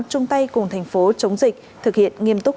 chung tay cùng thành phố chống dịch thực hiện nghiêm túc năm k